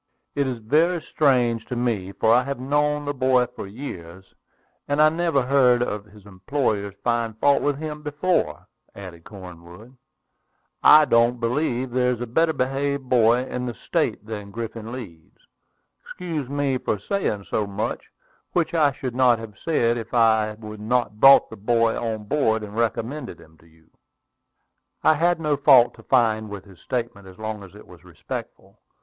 "It is very strange to me, for I have known the boy for years, and I never heard any of his employers find fault with him before," added Cornwood. "I don't believe there is a better behaved boy in the State than Griffin Leeds. Excuse me for saying so much, which I should not have said if I had not brought the boy on board and recommended him to you." I had no fault to find with his statement, as long as it was respectful.